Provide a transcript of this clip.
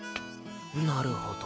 なるほど。